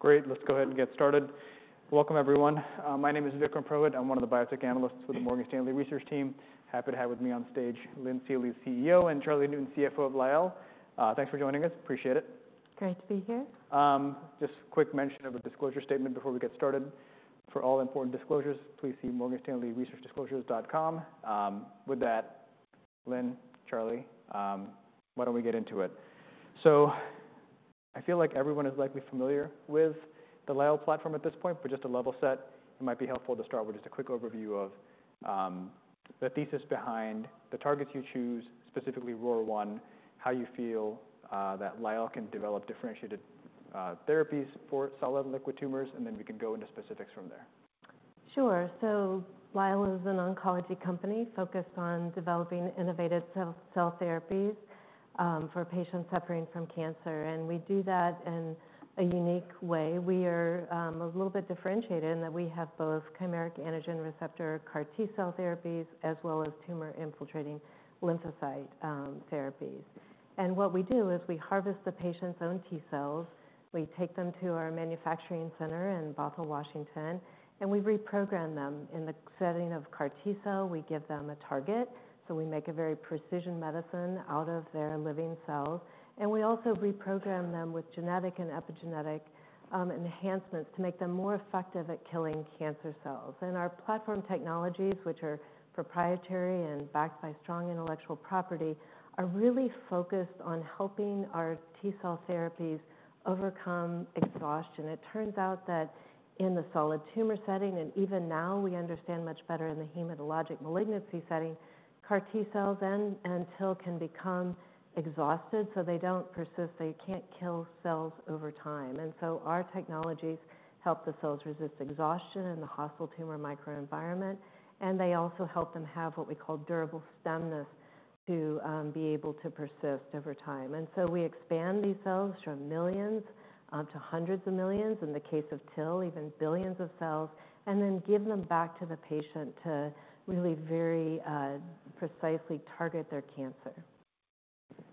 Great, let's go ahead and get started. Welcome, everyone. My name is Vikram Purohit. I'm one of the biotech analysts with the Morgan Stanley research team. Happy to have with me on stage, Lynn Seely, CEO, and Charlie Newton, CFO of Lyell. Thanks for joining us. Appreciate it. Great to be here. Just quick mention of a disclosure statement before we get started. For all important disclosures, please see morganstanleyresearchdisclosures.com. With that, Lynn, Charlie, why don't we get into it? So I feel like everyone is likely familiar with the Lyell platform at this point, but just to level set, it might be helpful to start with just a quick overview of the thesis behind the targets you choose, specifically ROR1, how you feel that Lyell can develop differentiated therapies for solid and liquid tumors, and then we can go into specifics from there. Sure. So Lyell is an oncology company focused on developing innovative cell therapies for patients suffering from cancer, and we do that in a unique way. We are a little bit differentiated in that we have both chimeric antigen receptor CAR T-cell therapies, as well as tumor-infiltrating lymphocyte therapies, and what we do is we harvest the patient's own T-cells, we take them to our manufacturing center in Bothell, Washington, and we reprogram them. In the setting of CAR T-cell, we give them a target, so we make a very precise medicine out of their living cells, and we also reprogram them with genetic and epigenetic enhancements to make them more effective at killing cancer cells, and our platform technologies, which are proprietary and backed by strong intellectual property, are really focused on helping our T-cell therapies overcome exhaustion. It turns out that in the solid tumor setting, and even now we understand much better in the hematologic malignancy setting, CAR T-cells and TIL can become exhausted, so they don't persist, they can't kill cells over time. And so our technologies help the cells resist exhaustion in the hostile tumor microenvironment, and they also help them have what we call durable stemness to be able to persist over time. And so we expand these cells from millions to hundreds of millions, in the case of TIL, even billions of cells, and then give them back to the patient to really very precisely target their cancer.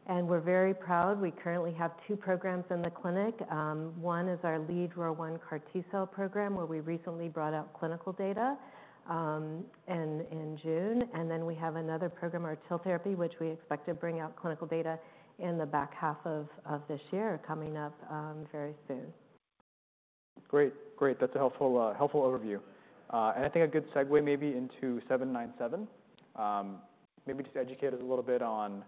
And we're very proud. We currently have two programs in the clinic. One is our lead ROR1 CAR T-cell program, where we recently brought out clinical data in June. And then we have another program, our TIL therapy, which we expect to bring out clinical data in the back half of this year, coming up very soon. Great. Great, that's a helpful overview, and I think a good segue maybe into 797. Maybe just educate us a little bit on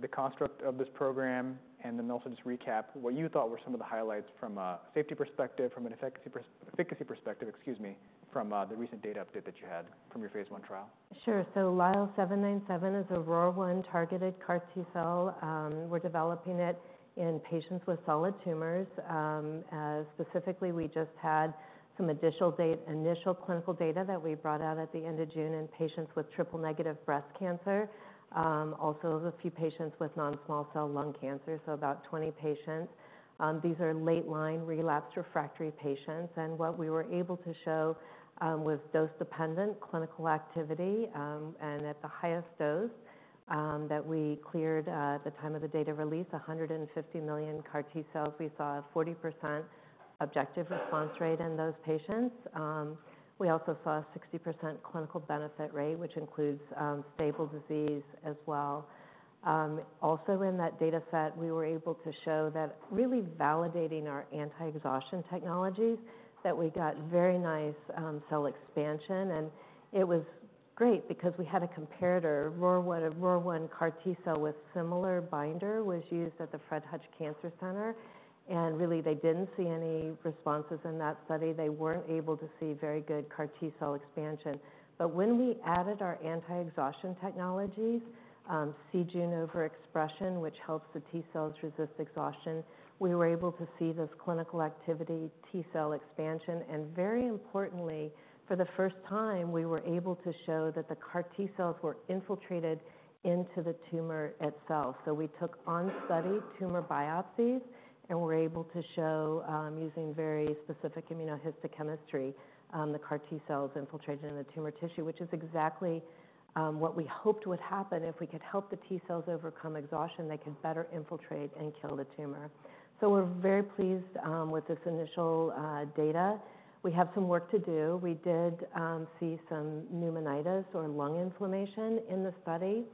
the construct of this program, and then also just recap what you thought were some of the highlights from a safety perspective, from an efficacy perspective, excuse me, from the recent data update that you had from your phase I trial. Sure. LYL797 is a ROR1 targeted CAR T-cell. We're developing it in patients with solid tumors. Specifically, we just had some additional initial clinical data that we brought out at the end of June in patients with triple-negative breast cancer, also a few patients with non-small cell lung cancer, so about 20 patients. These are late-line relapsed refractory patients, and what we were able to show was dose-dependent clinical activity. And at the highest dose that we cleared at the time of the data release, 150 million CAR T-cells, we saw a 40% objective response rate in those patients. We also saw a 60% clinical benefit rate, which includes stable disease as well. Also in that data set, we were able to show that really validating our anti-exhaustion technologies, that we got very nice cell expansion. And it was great because we had a comparator, ROR1, a ROR1 CAR T-cell with similar binder, was used at the Fred Hutch Cancer Center, and really, they didn't see any responses in that study. They weren't able to see very good CAR T-cell expansion. But when we added our anti-exhaustion technologies, c-Jun overexpression, which helps the T-cells resist exhaustion, we were able to see this clinical activity, T-cell expansion, and very importantly, for the first time, we were able to show that the CAR T-cells were infiltrated into the tumor itself. So we took on-study tumor biopsies and were able to show, using very specific immunohistochemistry, the CAR T-cells infiltrated in the tumor tissue, which is exactly what we hoped would happen. If we could help the T-cells overcome exhaustion, they could better infiltrate and kill the tumor. So we're very pleased with this initial data. We have some work to do. We did see some pneumonitis or lung inflammation in the study.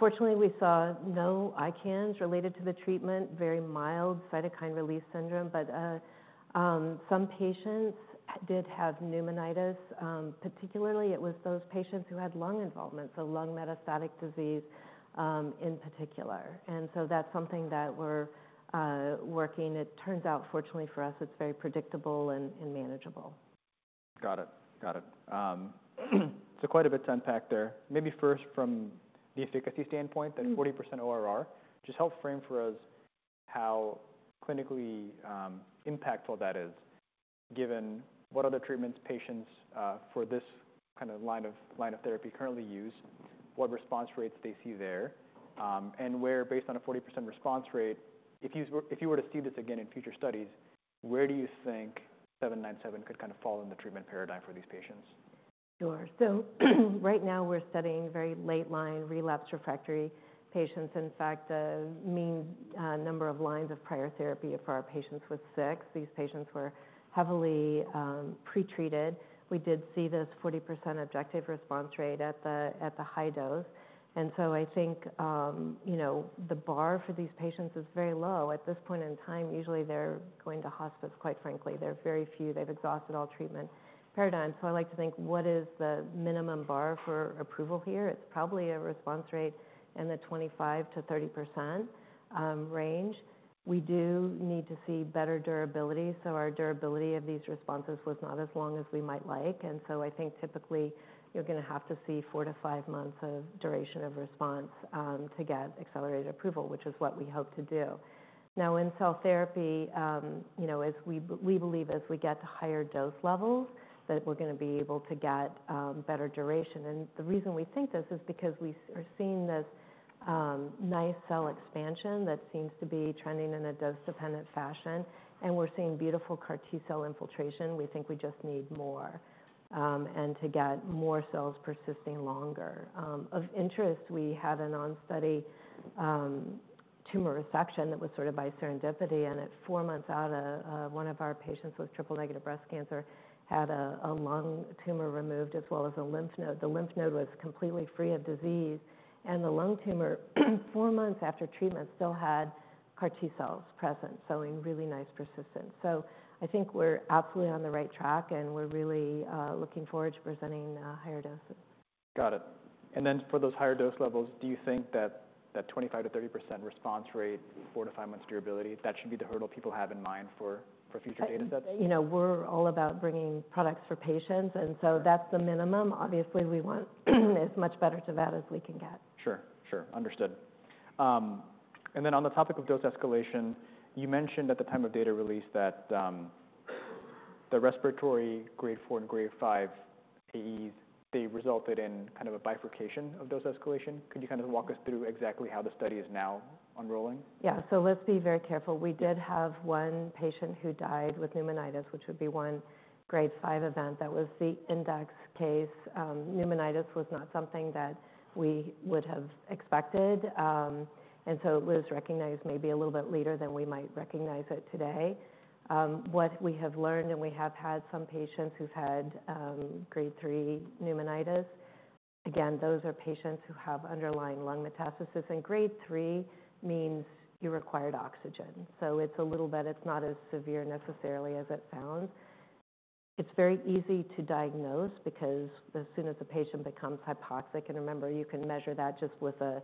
Fortunately, we saw no ICANS related to the treatment, very mild cytokine release syndrome, but some patients did have pneumonitis. Particularly, it was those patients who had lung involvement, so lung metastatic disease, in particular, and so that's something that we're working. It turns out, fortunately for us, it's very predictable and manageable. Got it. Got it. So quite a bit to unpack there. Maybe first, from the efficacy standpoint. That 40% ORR, just help frame for us how clinically impactful that is, given what other treatments patients for this kind of line of therapy currently use, what response rates they see there, and where, based on a 40% response rate, if you were to see this again in future studies, where do you LYL797 could kind of fall in the treatment paradigm for these patients? Sure. So right now we're studying very late-line relapsed refractory patients. In fact, the mean number of lines of prior therapy for our patients was six. These patients were heavily pretreated. We did see this 40% objective response rate at the high dose, and so I think, you know, the bar for these patients is very low. At this point in time, usually they're going to hospice, quite frankly. There are very few. They've exhausted all treatment paradigms. So I like to think, what is the minimum bar for approval here? It's probably a response rate in the 25%-30% range. We do need to see better durability. So our durability of these responses was not as long as we might like, and so I think typically you're gonna have to see four to five months of duration of response to get accelerated approval, which is what we hope to do. Now, in cell therapy, you know, as we believe as we get to higher dose levels, that we're gonna be able to get better duration. And the reason we think this is because we are seeing this nice cell expansion that seems to be trending in a dose-dependent fashion, and we're seeing beautiful CAR T-cell infiltration. We think we just need more, and to get more cells persisting longer. Of interest, we had a non-study tumor resection that was sort of by serendipity, and at four months out, one of our patients with triple-negative breast cancer had a lung tumor removed, as well as a lymph node. The lymph node was completely free of disease, and the lung tumor, four months after treatment, still had CAR T-cells present, showing really nice persistence. So I think we're absolutely on the right track, and we're really looking forward to presenting higher doses. Got it. And then for those higher dose levels, do you think that 25%-30% response rate, four to five months durability, that should be the hurdle people have in mind for future data sets? You know, we're all about bringing products for patients, and so. That's the minimum. Obviously, we want as much better than that as we can get. Sure. Sure. Understood. And then on the topic of dose escalation, you mentioned at the time of data release that, the respiratory Grade 4 and Grade 5 AEs, they resulted in kind of a bifurcation of dose escalation. Could you kind of walk us through exactly how the study is now unrolling? Yeah. So let's be very careful. We did have one patient who died with pneumonitis, which would be one Grade 5 event. That was the index case. Pneumonitis was not something that we would have expected, and so it was recognized maybe a little bit later than we might recognize it today. What we have learned, and we have had some patients who've had Grade 3 pneumonitis. Again, those are patients who have underlying lung metastasis, and Grade 3 means you required oxygen. So it's a little bit, It's not as severe necessarily as it sounds. It's very easy to diagnose because as soon as the patient becomes hypoxic, and remember, you can measure that just with a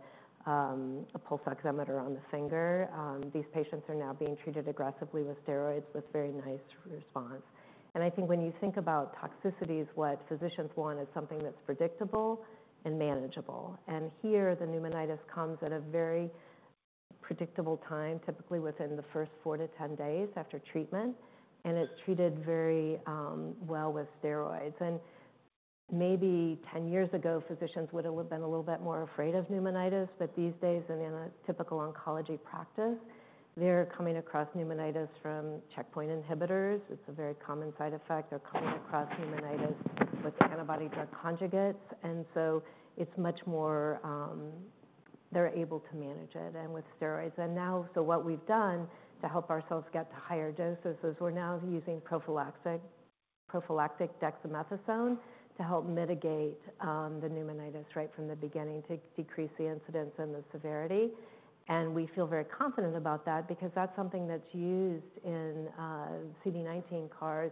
pulse oximeter on the finger. These patients are now being treated aggressively with steroids, with very nice response. And I think when you think about toxicities, what physicians want is something that's predictable and manageable. And here, the pneumonitis comes at a very predictable time, typically within the first four to 10 days after treatment, and it's treated very well with steroids. And maybe 10 years ago, physicians would have been a little bit more afraid of pneumonitis, but these days, in a typical oncology practice, they're coming across pneumonitis from checkpoint inhibitors. It's a very common side effect. They're coming across pneumonitis with antibody-drug conjugates, and so it's much more. They're able to manage it and with steroids. And now, so what we've done to help ourselves get to higher doses is we're now using prophylactic dexamethasone to help mitigate the pneumonitis right from the beginning to decrease the incidence and the severity. And we feel very confident about that because that's something that's used in CD19 CARs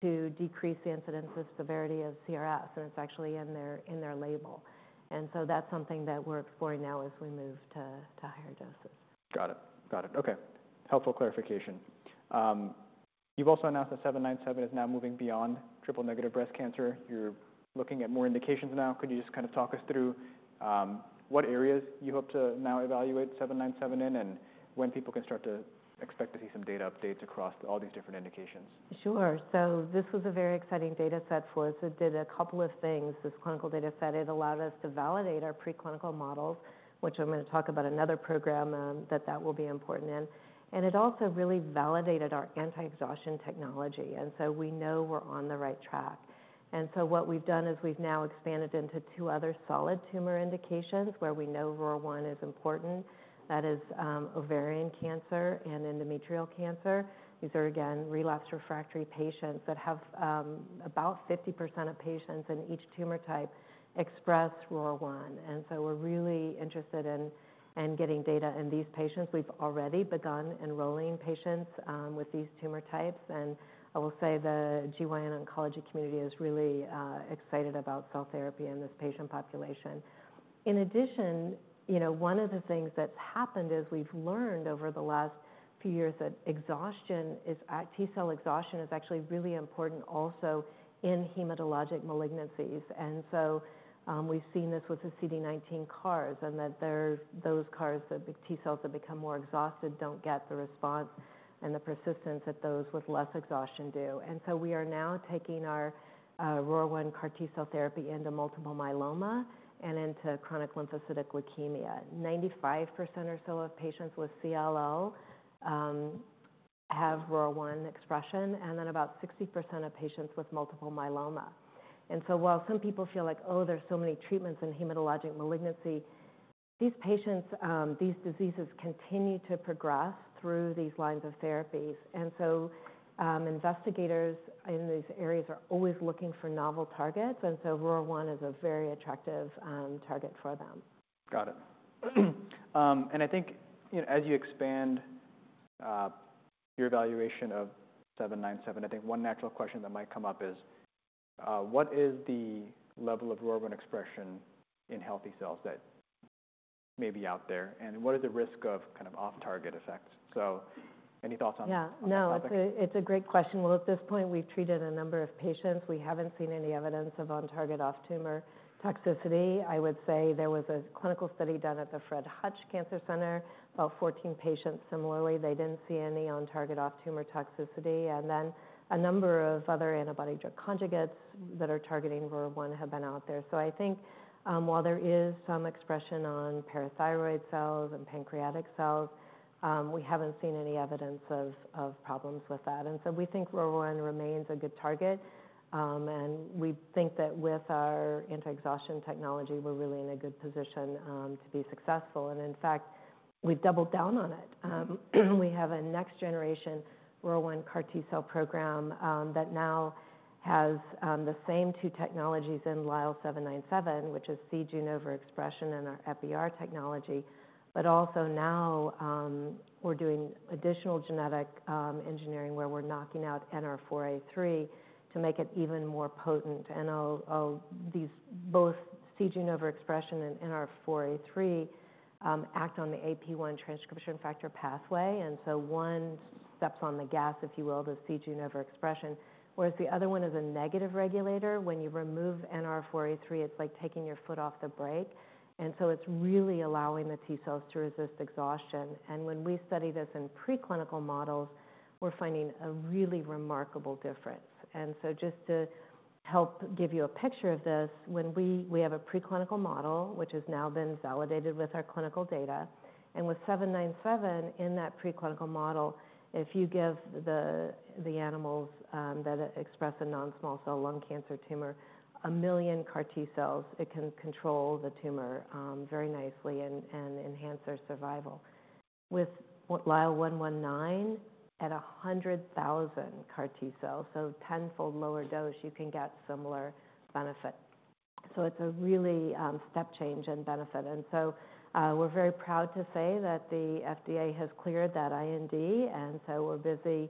to decrease the incidence and severity of CRS, and it's actually in their label. And so that's something that we're exploring now as we move to higher doses. Got it. Got it. Okay. Helpful clarification. You've also announced LYL797 is now moving beyond triple-negative breast cancer. You're looking at more indications now. Could you just kind of talk us through what areas you hope to now LYL797 in, and when people can start to expect to see some data updates across all these different indications? Sure. So this was a very exciting data set for us. It did a couple of things, this clinical data set. It allowed us to validate our preclinical models, which I'm gonna talk about another program that will be important in, and it also really validated our anti-exhaustion technology, and so we know we're on the right track. And so what we've done is we've now expanded into two other solid tumor indications where we know ROR1 is important, that is, Ovarian cancer and Endometrial cancer. These are, again, relapsed refractory patients that have about 50% of patients in each tumor type express ROR1, and so we're really interested in getting data in these patients. We've already begun enrolling patients with these tumor types, and I will say the GYN oncology community is really excited about T-cell therapy in this patient population. In addition, you know, one of the things that's happened is we've learned over the last few years that exhaustion is. T-cell exhaustion is actually really important also in hematologic malignancies. And so we've seen this with the CD19 CARs, and that there, those CARs, the T-cells that become more exhausted, don't get the response and the persistence that those with less exhaustion do. And so we are now taking our ROR1 CAR T-cell therapy into multiple myeloma and into chronic lymphocytic leukemia. 95% or so of patients with CLL have ROR1 expression, and then about 60% of patients with multiple myeloma. And so while some people feel like, "Oh, there's so many treatments in hematologic malignancy," these patients, these diseases continue to progress through these lines of therapies. And so, investigators in these areas are always looking for novel targets, and so ROR1 is a very attractive target for them. Got it. And I think, you know, as you expand, your evaluation LYL797, i think one natural question that might come up is, what is the level of ROR1 expression in healthy cells that may be out there, and what is the risk of kind of off-target effects? So any thoughts on. Yeah. On the topic? No, it's a great question. At this point, we've treated a number of patients. We haven't seen any evidence of on-target, off-tumor toxicity. I would say there was a clinical study done at the Fred Hutch Cancer Center, about 14 patients. Similarly, they didn't see any on-target, off-tumor toxicity. Then a number of other antibody-drug conjugates that are targeting ROR1 have been out there. I think, while there is some expression on parathyroid cells and pancreatic cells, we haven't seen any evidence of problems with that. We think ROR1 remains a good target, and we think that with our anti-exhaustion technology, we're really in a good position to be successful. In fact, we've doubled down on it. We have a next-generation ROR1 CAR T-cell program that now has the same two technologies LYL797, which is c-Jun overexpression and our Epi-R technology. But also now, we're doing additional genetic engineering, where we're knocking out NR4A3 to make it even more potent. And these both c-Jun overexpression and NR4A3 act on the AP-1 transcription factor pathway, and so one steps on the gas, if you will, the c-Jun overexpression, whereas the other one is a negative regulator. When you remove NR4A3, it's like taking your foot off the brake, and so it's really allowing the T-cells to resist exhaustion. And when we study this in preclinical models, we're finding a really remarkable difference. And so just to help give you a picture of this, when we have a preclinical model, which has now been validated with our clinical data, and LYL797 in that preclinical model, if you give the animals that express a non-small cell lung cancer tumor, a million CAR T-cells, it can control the tumor very nicely and enhance their survival. LYL119, at 100,000 CAR T-cells, so tenfold lower dose, you can get similar benefit. So it's a really step change in benefit. And so, we're very proud to say that the FDA has cleared that IND, and so we're busy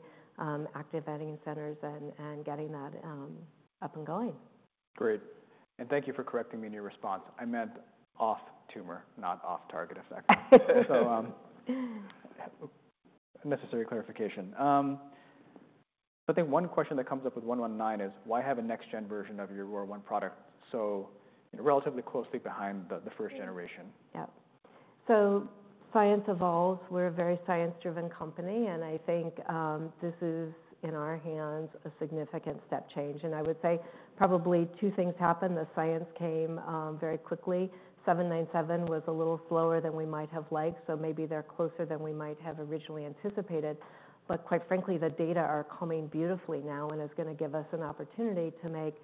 activating centers and getting that up and going. Great. And thank you for correcting me in your response. I meant off-tumor, not off-target effect. So, necessary clarification. But then one question that comes up with one one nine is, why have a next gen version of your ROR1 product so relatively closely behind the first generation? Yeah. So science evolves. We're a very science-driven company, and I think, this is, in our hands, a significant step change. And I would say probably two things happened. The science came, very LYL797 was a little slower than we might have liked, so maybe they're closer than we might have originally anticipated. But quite frankly, the data are coming beautifully now, and it's gonna give us an opportunity to make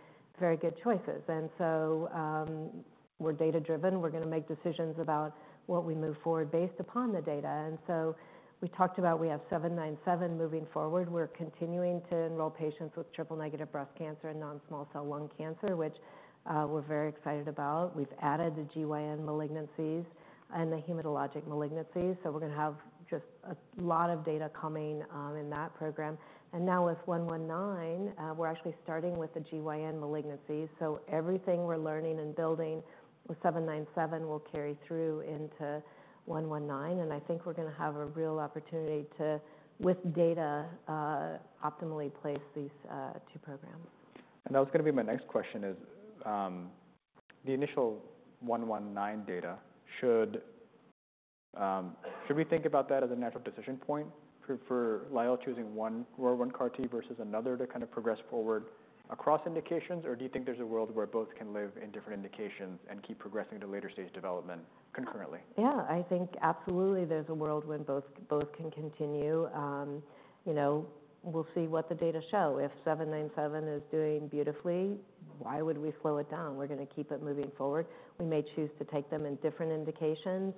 very good choices. And so, we're data-driven. We're gonna make decisions about what we move forward based upon the data. And so we talked about we LYL797 moving forward. We're continuing to enroll patients with triple-negative breast cancer and non-small cell lung cancer, which, we're very excited about. We've added the GYN malignancies and the hematologic malignancies, so we're gonna have just a lot of data coming in that program, and now LYL119, we're actually starting with the GYN malignancies, so everything we're learning and building LYL797 will carry through LYL119, and I think we're gonna have a real opportunity to, with data, optimally place these two programs. That was gonna be my next question, is the LYL119 data. Should we think about that as a natural decision point for Lyell choosing one ROR1 CAR T versus another to kind of progress forward across indications? Or do you think there's a world where both can live in different indications and keep progressing to later stage development concurrently? Yeah, I think absolutely there's a world when both, both can continue. You know, we'll see what the data show. If seven nine seven is doing beautifully, why would we slow it down? We're gonna keep it moving forward. We may choose to take them in different indications,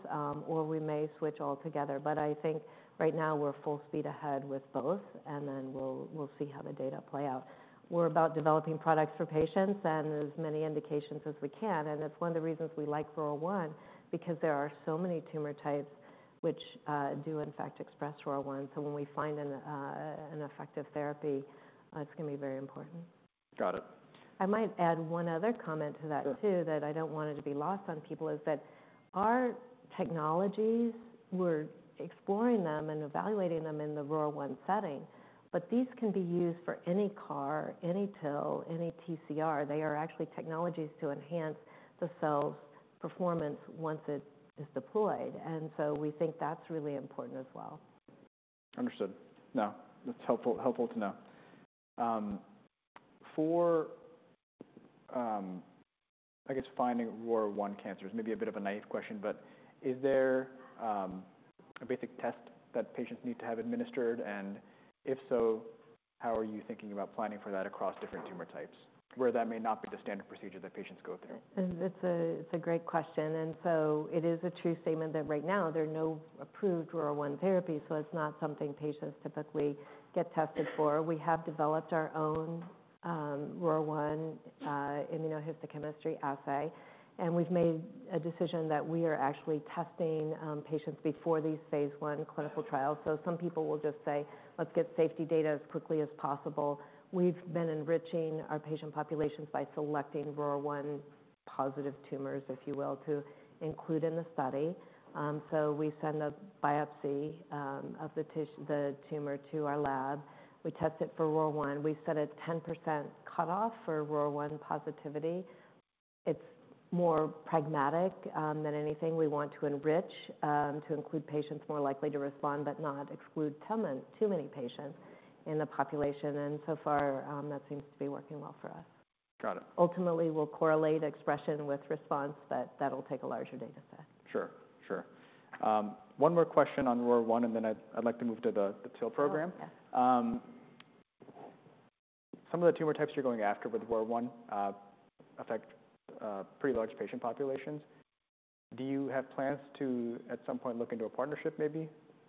or we may switch altogether. But I think right now we're full speed ahead with both, and then we'll see how the data play out. We're about developing products for patients and as many indications as we can, and it's one of the reasons we like ROR1, because there are so many tumor types which do in fact express ROR1. So when we find an effective therapy, it's gonna be very important. Got it. I might add one other comment to that too. Sure That I don't want it to be lost on people, is that our technologies, we're exploring them and evaluating them in the ROR1 setting, but these can be used for any CAR, any TIL, any TCR. They are actually technologies to enhance the cell's performance once it is deployed, and so we think that's really important as well. Understood. No, that's helpful, helpful to know. I guess finding ROR1 cancers may be a bit of a naive question, but is there a basic test that patients need to have administered? And if so, how are you thinking about planning for that across different tumor types, where that may not be the standard procedure that patients go through? It's a great question. It is a true statement that right now there are no approved ROR1 therapies, so it's not something patients typically get tested for. We have developed our own ROR1 immunohistochemistry assay, and we've made a decision that we are actually testing patients before these phase I clinical trials. Some people will just say, "Let's get safety data as quickly as possible." We've been enriching our patient populations by selecting ROR1 positive tumors, if you will, to include in the study. We send a biopsy of the tumor to our lab. We test it for ROR1. We've set a 10% cutoff for ROR1 positivity. It's more pragmatic than anything. We want to enrich to include patients more likely to respond, but not exclude too many patients in the population. And so far, that seems to be working well for us. Got it. Ultimately, we'll correlate expression with response, but that'll take a larger data set. Sure. Sure. One more question on ROR1, and then I'd like to move to the TIL program. Oh, yeah. Some of the tumor types you're going after with ROR1 affect pretty large patient populations. Do you have plans to, at some point, look into a partnership maybe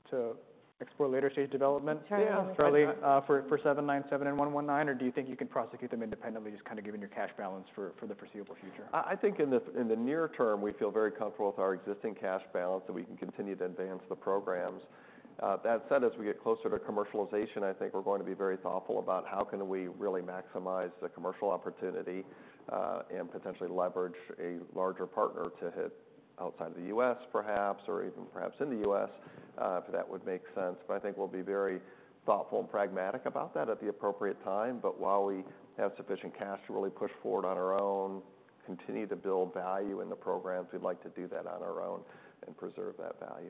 to explore later-stage development? Charlie, you want to take that? LYL797 LYL119? or do you think you can prosecute them independently, just kind of given your cash balance for the foreseeable future? I think in the near-term, we feel very comfortable with our existing cash balance that we can continue to advance the programs. That said, as we get closer to commercialization, I think we're going to be very thoughtful about how we can really maximize the commercial opportunity, and potentially leverage a larger partner to help outside of the U.S. perhaps, or even perhaps in the U.S., if that would make sense. But I think we'll be very thoughtful and pragmatic about that at the appropriate time. But while we have sufficient cash to really push forward on our own, continue to build value in the programs, we'd like to do that on our own and preserve that value.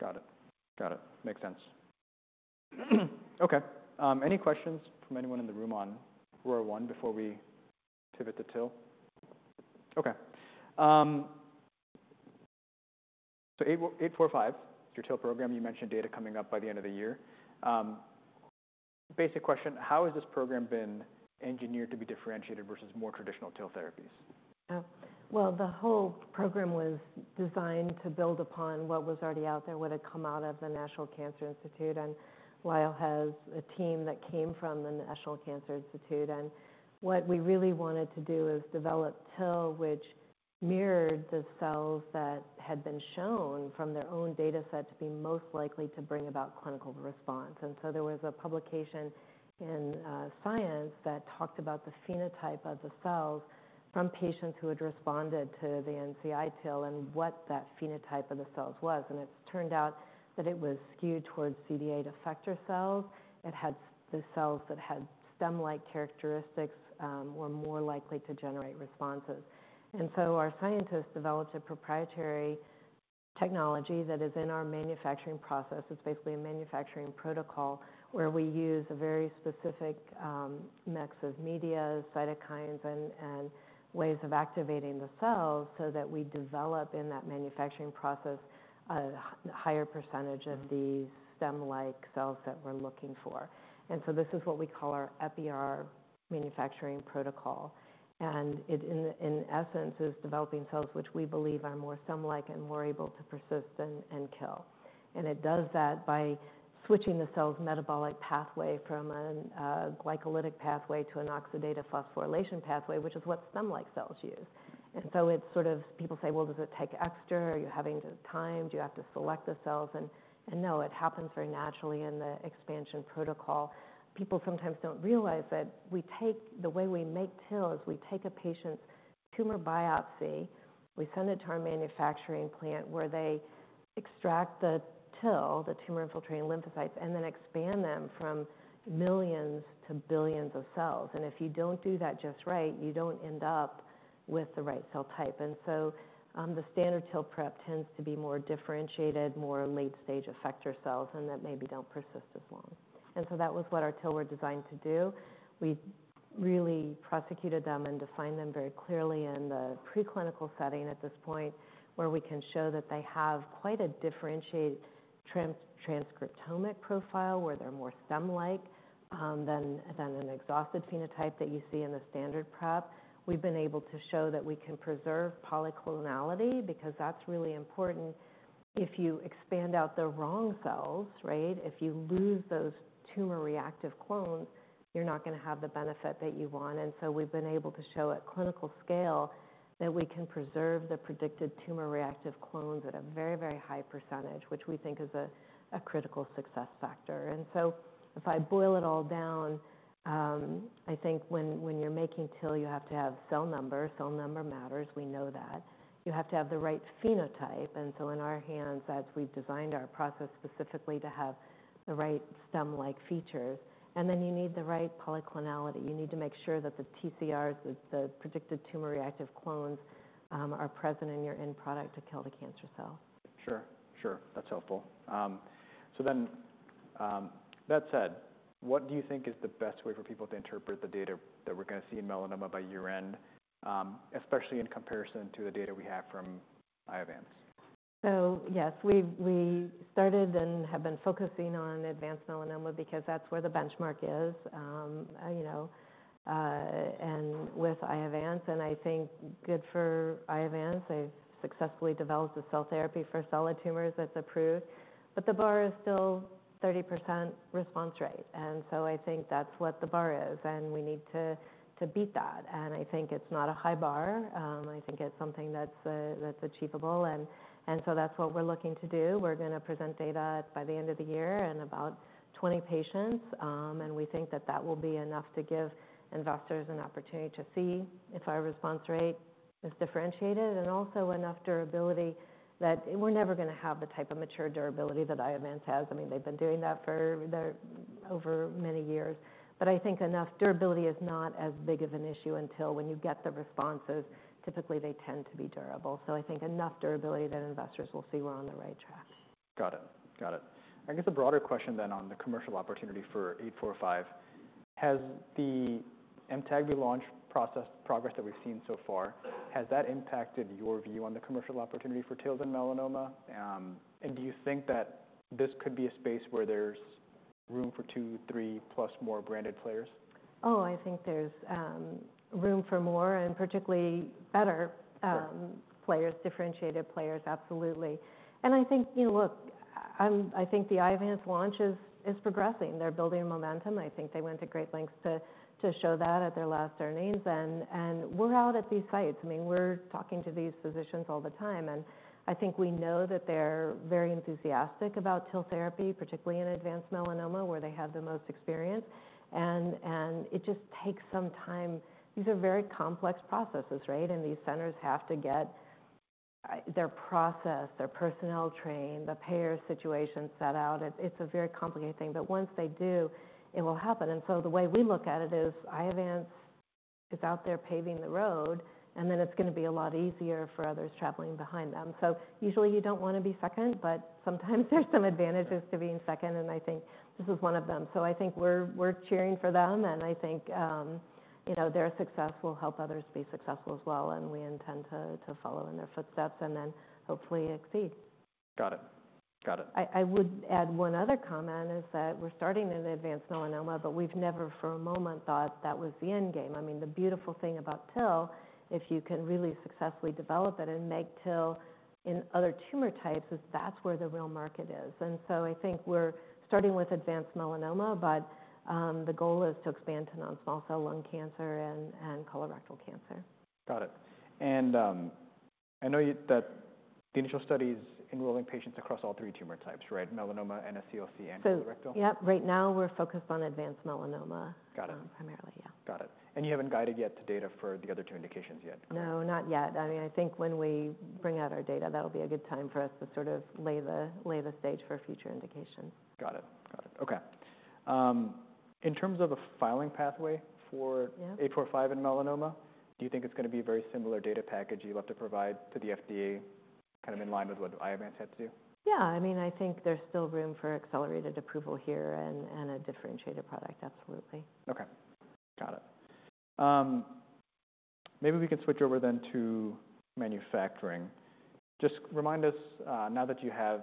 Got it. Got it. Makes sense. Okay, any questions from anyone in the room on ROR1 before we pivot to TIL? Okay, so LYL845, your TIL program, you mentioned data coming up by the end of the year. Basic question, how has this program been engineered to be differentiated versus more traditional TIL therapies? Oh, well, the whole program was designed to build upon what was already out there, what had come out of the National Cancer Institute, and Lyell has a team that came from the National Cancer Institute. And what we really wanted to do is develop TIL, which mirrored the cells that had been shown from their own data set to be most likely to bring about clinical response. And so there was a publication in Science that talked about the phenotype of the cells from patients who had responded to the NCI TIL and what that phenotype of the cells was. And it turned out that it was skewed towards CD8 effector cells. It had the cells that had stem-like characteristics were more likely to generate responses. And so our scientists developed a proprietary technology that is in our manufacturing process. It's basically a manufacturing protocol, where we use a very specific mix of media, cytokines, and ways of activating the cells so that we develop in that manufacturing process a higher percentage of these stem-like cells that we're looking for. This is what we call our Epi-R manufacturing protocol. It, in essence, is developing cells which we believe are more stem-like and more able to persist and kill. It does that by switching the cell's metabolic pathway from a glycolytic pathway to an oxidative phosphorylation pathway, which is what stem-like cells use. People say, "Well, does it take extra? Are you having to time? Do you have to select the cells?" No, it happens very naturally in the expansion protocol. People sometimes don't realize that we take... The way we make TIL is we take a patient's tumor biopsy, we send it to our manufacturing plant, where they extract the TIL, the tumor-infiltrating lymphocytes, and then expand them from millions to billions of cells. And if you don't do that just right, you don't end up with the right T-cell type. And so, the standard TIL prep tends to be more differentiated, more late-stage effector cells, and that maybe don't persist as long. And so that was what our TIL were designed to do. We really optimized them and defined them very clearly in the preclinical setting at this point, where we can show that they have quite a differentiated transcriptomic profile, where they're more stem-like than an exhausted phenotype that you see in the standard prep. We've been able to show that we can preserve polyclonal, because that's really important. If you expand out the wrong cells, right, if you lose those tumor reactive clones, you're not gonna have the benefit that you want. And so we've been able to show at clinical scale that we can preserve the predicted tumor reactive clones at a very, very high percentage, which we think is a critical success factor. And so if I boil it all down, I think when you're making TIL, you have to have cell number. Cell number matters, we know that. You have to have the right phenotype, and so in our hands, as we've designed our process specifically to have the right stem-like features. And then you need the right polyclonal. You need to make sure that the TCRs, the predicted tumor reactive clones, are present in your end product to kill the cancer cell. Sure, sure. That's helpful. That said, what do you think is the best way for people to interpret the data that we're going to see in melanoma by year-end, especially in comparison to the data we have from Iovance? So yes, we've started and have been focusing on advanced melanoma because that's where the benchmark is. You know, and with Iovance, and I think good for Iovance. They've successfully developed a cell therapy for solid tumors that's approved, but the bar is still 30% response rate, and so I think that's what the bar is, and we need to beat that. And I think it's not a high bar. I think it's something that's achievable, and so that's what we're looking to do. We're going to present data by the end of the year in about 20 patients, and we think that that will be enough to give investors an opportunity to see if our response rate is differentiated and also enough durability that. We're never going to have the type of mature durability that Iovance has. I mean, they've been doing that for over many years. But I think enough durability is not as big of an issue until when you get the responses. Typically, they tend to be durable. So I think enough durability that investors will see we're on the right track. Got it. Got it. I guess a broader question then on the commercial opportunity for LYL845. Has the Amtagvi relaunch process progress that we've seen so far, has that impacted your view on the commercial opportunity for TIL in melanoma? And do you think that this could be a space where there's room for two, three, plus more branded players? Oh, I think there's room for more and particularly better. Players, differentiated players, absolutely. And I think, you know, look, I think the Iovance launch is progressing. They're building momentum. I think they went to great lengths to show that at their last earnings, and we're out at these sites. I mean, we're talking to these physicians all the time, and I think we know that they're very enthusiastic about TIL therapy, particularly in advanced melanoma, where they have the most experience. And it just takes some time. These are very complex processes, right? And these centers have to get their process, their personnel trained, the payer situation set out. It's a very complicated thing, but once they do, it will happen. And so the way we look at it is, Iovance is out there paving the road, and then it's going to be a lot easier for others traveling behind them. Usually you don't want to be second, but sometimes there's some advantages to being second, and I think this is one of them. I think we're cheering for them, and I think, you know, their success will help others be successful as well, and we intend to follow in their footsteps and then hopefully exceed. Got it. Got it. I would add one other comment, is that we're starting in advanced melanoma, but we've never for a moment thought that was the end game. I mean, the beautiful thing about TIL, if you can really successfully develop it and make TIL in other tumor types, is that's where the real market is. And so I think we're starting with advanced melanoma, but, the goal is to expand to non-small cell lung cancer and colorectal cancer. Got it, and I know that the initial studies enrolling patients across all three tumor types, right? Melanoma, NSCLC, and colorectal? So, yep, right now we're focused on advanced melanoma. Got it Primarily, yeah. Got it. And you haven't guided yet to data for the other two indications yet? No, not yet. I mean, I think when we bring out our data, that'll be a good time for us to sort of lay the stage for future indications. Got it. Got it. Okay. In terms of a filing pathway for. Yeah LYL845 and melanoma, do you think it's going to be a very similar data package you'll have to provide to the FDA, kind of in line with what Iovance had to do? Yeah, I mean, I think there's still room for accelerated approval here and a differentiated product. Absolutely. Okay. Got it. Maybe we can switch over then to manufacturing. Just remind us, now that you have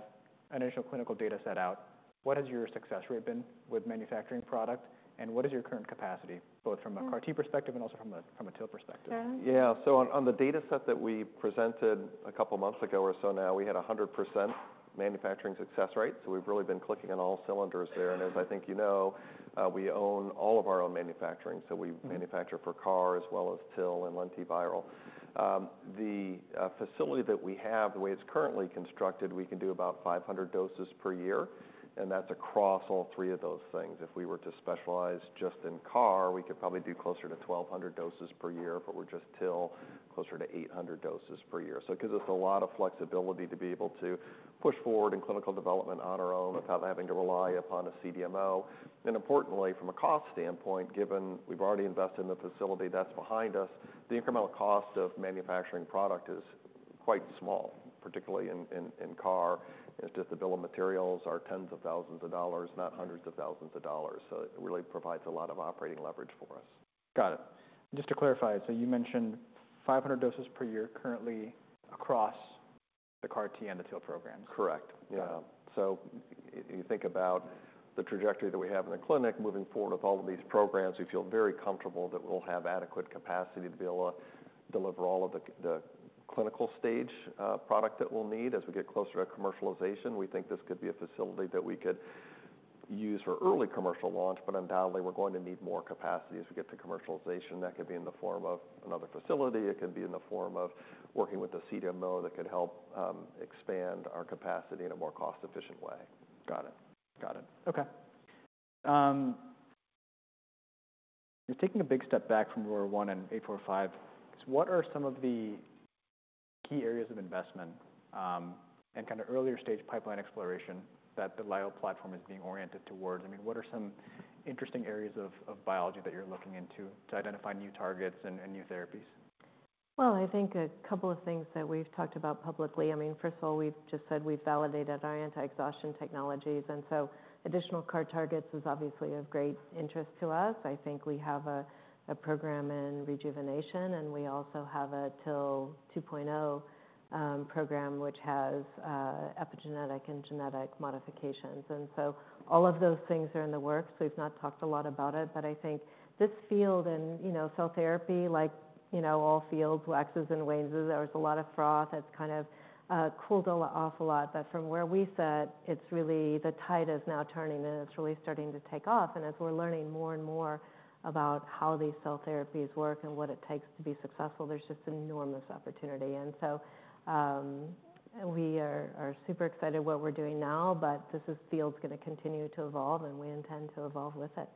initial clinical data set out, what has your success rate been with manufacturing product, and what is your current capacity, both from a CAR T perspective and also from a TIL perspective? Yeah. Yeah, so on the data set that we presented a couple months ago or so now, we had 100% manufacturing success rate. So we've really been clicking on all cylinders there. And as I think you know, we own all of our own manufacturing, so we manufacture for CAR as well as TIL and lentiviral. The facility that we have, the way it's currently constructed, we can do about 500 doses per year, and that's across all three of those things. If we were to specialize just in CAR, we could probably do closer to 1,200 doses per year, if it were just TIL, closer to 800 doses per year. So it gives us a lot of flexibility to be able to push forward in clinical development on our own without having to rely upon a CDMO. Importantly, from a cost standpoint, given we've already invested in the facility, that's behind us, the incremental cost of manufacturing product is quite small, particularly in CAR. Just the bill of materials are tens of thousands of dollars, not hundreds of thousands of dollars. It really provides a lot of operating leverage for us. Got it. Just to clarify, so you mentioned 500 doses per year currently across the CAR T and the TIL programs? Correct. Yeah. So you think about the trajectory that we have in the clinic moving forward with all of these programs. We feel very comfortable that we'll have adequate capacity to be able to deliver all of the clinical stage product that we'll need. As we get closer to commercialization, we think this could be a facility that we could use for early commercial launch, but undoubtedly, we're going to need more capacity as we get to commercialization. That could be in the form of another facility. It could be in the form of working with a CDMO that could help expand our capacity in a more cost-efficient way. Got it. Okay. Just taking a big step back from ROR1 and LYL845, what are some of the key areas of investment, and kind of earlier stage pipeline exploration that the Lyell platform is being oriented towards? I mean, what are some interesting areas of biology that you're looking into to identify new targets and new therapies? I think a couple of things that we've talked about publicly. I mean, first of all, we've just said we've validated our anti-exhaustion technologies, and so additional CAR targets is obviously of great interest to us. I think we have a program in rejuvenation, and we also have a TIL 2.0 program, which has epigenetic and genetic modifications. And so all of those things are in the works. We've not talked a lot about it, but I think this field and, you know, cell therapy, like, you know, all fields, waxes and wanes. There was a lot of froth that's kind of cooled an awful lot. But from where we sit, it's really the tide is now turning, and it's really starting to take off. As we're learning more and more about how these cell therapies work and what it takes to be successful, there's just enormous opportunity, and so we are super excited what we're doing now, but this field's gonna continue to evolve, and we intend to evolve with it.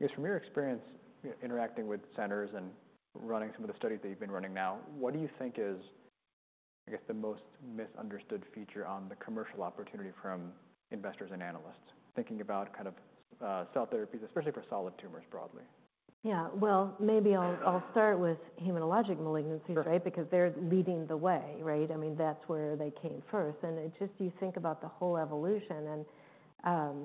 Yes, from your experience interacting with centers and running some of the studies that you've been running now, what do you think is, I guess, the most misunderstood feature on the commercial opportunity from investors and analysts? Thinking about kind of, cell therapies, especially for solid tumors, broadly. Yeah. Well, maybe I'll, I'll start with hematologic malignancies. Right? Because they're leading the way, right? I mean, that's where they came first. And it just, you think about the whole evolution and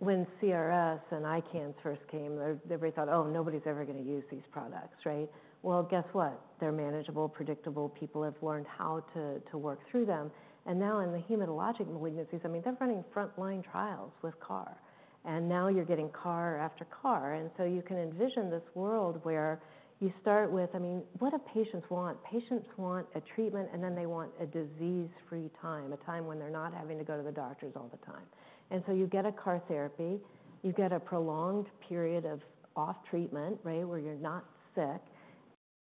when CRS and ICANS first came, everybody thought, "Oh, nobody's ever gonna use these products," right? Well, guess what? They're manageable, predictable, people have learned how to work through them. And now in the hematologic malignancies, I mean, they're running frontline trials with CAR, and now you're getting CAR after CAR. And so you can envision this world where you start with, I mean, what do patients want? Patients want a treatment, and then they want a disease-free time, a time when they're not having to go to the doctors all the time. And so you get a CAR therapy, you get a prolonged period of off treatment, right, where you're not sick.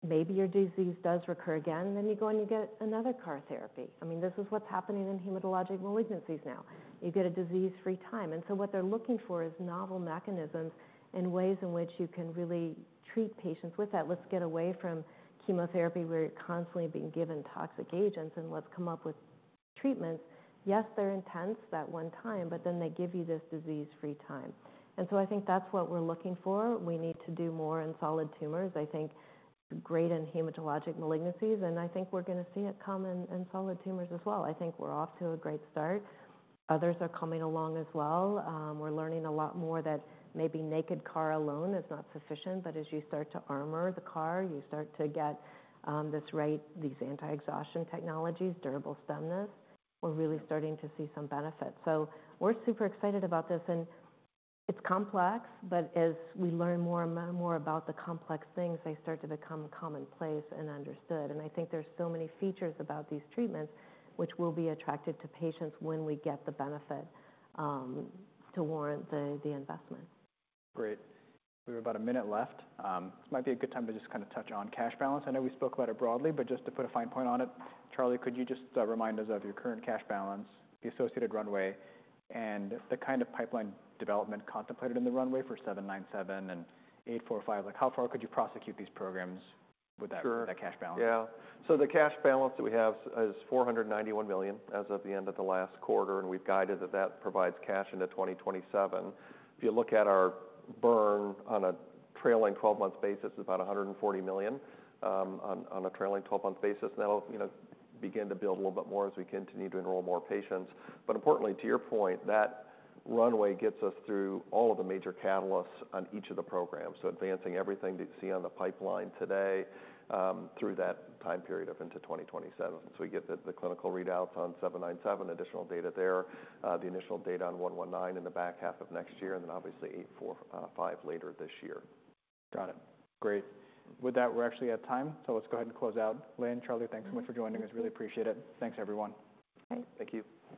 Maybe your disease does recur again, then you go and you get another CAR therapy. I mean, this is what's happening in hematologic malignancies now. You get a disease-free time, and so what they're looking for is novel mechanisms and ways in which you can really treat patients with that. Let's get away from chemotherapy, where you're constantly being given toxic agents, and let's come up with treatments. Yes, they're intense that one time, but then they give you this disease-free time. And so I think that's what we're looking for. We need to do more in solid tumors. I think great in hematologic malignancies, and I think we're gonna see it come in solid tumors as well. I think we're off to a great start. Others are coming along as well. We're learning a lot more that maybe naked CAR alone is not sufficient, but as you start to armor the CAR, you start to get this right, these anti-exhaustion technologies, durable stemness. We're really starting to see some benefits, so we're super excited about this, and it's complex, but as we learn more and more about the complex things, they start to become commonplace and understood, and I think there's so many features about these treatments which will be attractive to patients when we get the benefit to warrant the investment. Great. We have about a minute left. This might be a good time to just kind of touch on cash balance. I know we spoke about it broadly, but just to put a fine point on it, Charlie, could you just remind us of your current cash balance, the associated runway, and the kind of pipeline development contemplated in the runway for LYL797 and LYL845? Like, how far could you prosecute these programs with that. Sure. That cash balance? Yeah. So the cash balance that we have is $491 million as of the end of the last quarter, and we've guided that provides cash into 2027. If you look at our burn on a trailing 12 month basis, it's about $140 million on a trailing 12 month basis. That'll, you know, begin to build a little bit more as we continue to enroll more patients. But importantly, to your point, that runway gets us through all of the major catalysts on each of the programs, so advancing everything that you see on the pipeline today through that time period into 2027. So we get the clinical readouts LYL797, additional data there, the initial data on LYL119 in the back half of next year, and then obviously LYL845 later this year. Got it. Great. With that, we're actually at time, so let's go ahead and close out. Lynn, Charlie, thanks so much for joining us. Really appreciate it. Thanks, everyone. Thanks. Thank you.